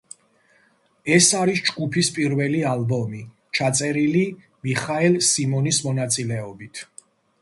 ეს არის ჯგუფის პირველი ალბომი, ჩაწერილი მიხაელ სიმონის მონაწილეობით.